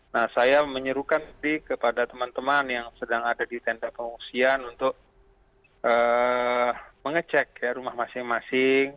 nah saya menyuruhkan kepada teman teman yang sedang ada di tenda pengungsian untuk mengecek ya rumah masing masing